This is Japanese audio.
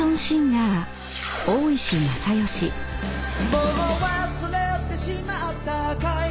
「もう忘れてしまったかい？」